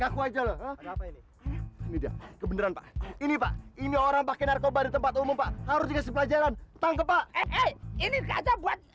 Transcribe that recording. aku aja loh ini orang pakai narkoba di tempat umum harus ngasih pelajaran tangkap ini aja buat